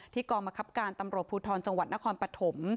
กองบังคับการตำรวจภูทรจังหวัดนครปฐม